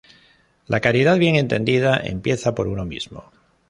La caridad bien entendida empieza por uno mismo